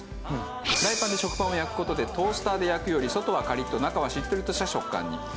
フライパンで食パンを焼く事でトースターで焼くより外はカリッと中はしっとりとした食感に。